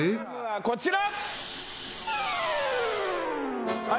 こちら！